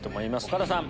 岡田さん